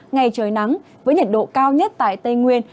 ngày trời nắng với nhiệt độ cao nhất tại tây nguyên